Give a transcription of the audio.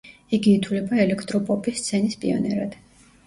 იგი ითვლება ელექტროპოპის სცენის პიონერად.